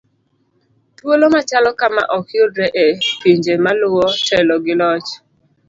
thuolo machalo kama okyudre e pinje maluwo telo gi loch